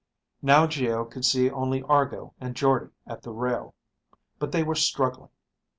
Now Geo could see only Argo and Jordde at the rail. But they were struggling.